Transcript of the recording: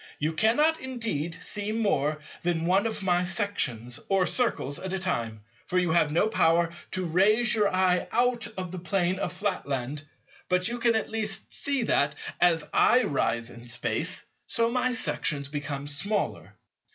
You cannot indeed see more than one of my sections, or Circles, at a time; for you have no power to raise your eye out of the plane of Flatland; but you can at least see that, as I rise in Space, so my sections become smaller.